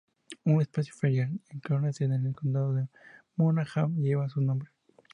Un espacio ferial en Clones, en el condado de Monaghan, lleva su nombre.